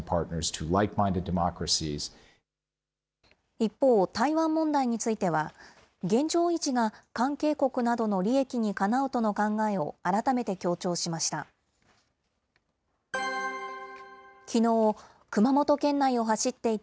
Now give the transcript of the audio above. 一方、台湾問題については、現状維持が関係国などの利益にかなうとの考えを改めて強調しました。